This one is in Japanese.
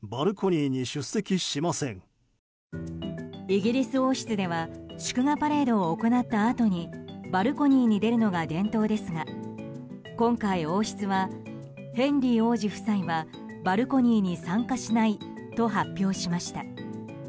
イギリス王室では祝賀パレードを行ったあとにバルコニーに出るのが伝統ですが今回、王室はヘンリー王子夫妻はバルコニーに参加しないと発表しました。